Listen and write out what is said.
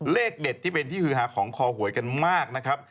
เลขเด็ดที่เป็นที่ฮือหาของคอหวยกันมากนะครับ